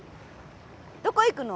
どこ行くの？